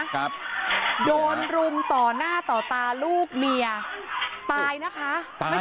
ครับโดนรุมต่อหน้าต่อตาลูกเมียตายนะคะตายไม่